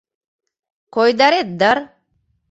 — Койдарет дыр?..